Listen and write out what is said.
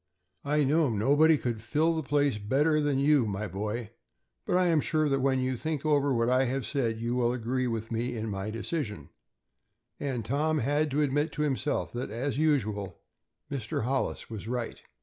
I know nobody could fill the place better than you, my boy, but I am sure that when you think over what I have said you will agree with me in my decision," and Tom had to admit to himself that, as usual, Mr. Hollis was right.